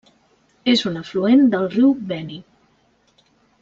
És un afluent del riu Beni.